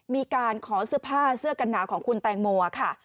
มีการขอเสื้อผ้าเสื้อกันหนาวของคุณแตงโมค่ะ